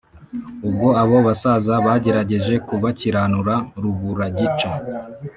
ubwo abo basaza bagerageje kubakiranura ruburagica